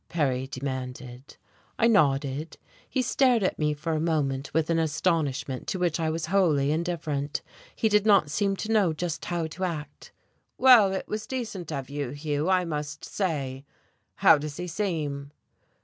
Perry demanded. I nodded. He stared at me for a moment with an astonishment to which I was wholly indifferent. He did not seem to know just how to act. "Well, it was decent of you, Hugh, I must say. How does he seem?"